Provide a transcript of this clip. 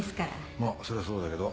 まあそりゃそうだけど。